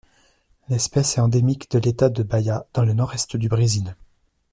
L'espèce est endémique de l'État de Bahia dans le Nord-Est du Brésil.